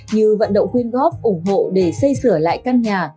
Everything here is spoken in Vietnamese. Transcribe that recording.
như vận động quyên góp ủng hộ để xây sửa lại căn nhà